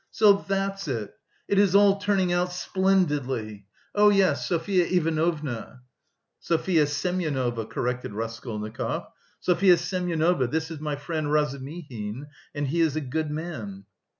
So that's it! It is all turning out splendidly.... Oh, yes, Sofya Ivanovna..." "Sofya Semyonovna," corrected Raskolnikov. "Sofya Semyonovna, this is my friend Razumihin, and he is a good man."